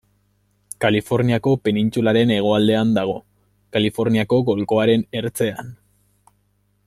Kaliforniako penintsularen hegoaldean dago, Kaliforniako golkoaren ertzean.